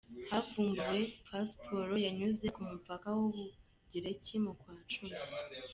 Havumbuwe Pasiporo yanyuze ku mupaka w’Ubugereki mu kwa Cumi .